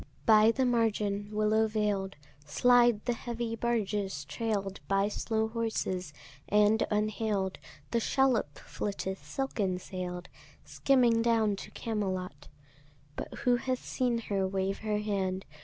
By the margin, willow veil'd Slide the heavy barges trail'd By slow horses; and unhail'd The shallop flitteth silken sail'd Skimming down to Camelot: But who hath seen her wave her hand?